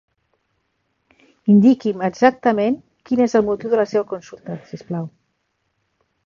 Indiqui'm exactament quin és el motiu de la seva consulta, si us plau.